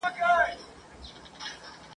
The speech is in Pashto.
د هغه به څه سلا څه مشوره وي ..